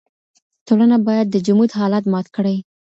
ټولنه بايد د جمود حالت مات کړي.